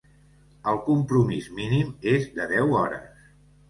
El compromís mínim és de deu hores.